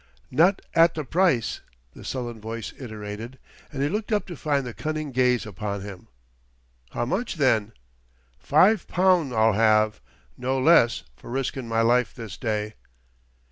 "Not at the price," the sullen voice iterated; and he looked up to find the cunning gaze upon him. "How much, then?" "Five poun' I'll have no less, for riskin' my life this day."